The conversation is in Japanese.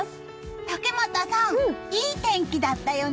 竹俣さん、いい天気だったよね！